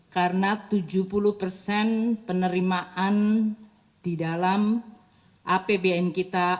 karena tujuh puluh persen penerimaan di dalam apbn kita